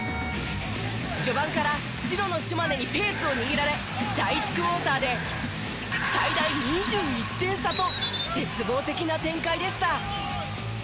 序盤から白の島根にペースを握られ第１クオーターで最大２１点差と絶望的な展開でした。